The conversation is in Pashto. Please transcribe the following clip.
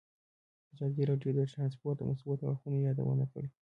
ازادي راډیو د ترانسپورټ د مثبتو اړخونو یادونه کړې.